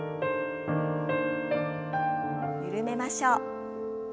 緩めましょう。